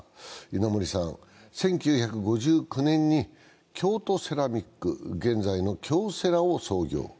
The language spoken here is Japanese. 稲盛さん、１９５９年に京都セラミック現在の京セラを創業。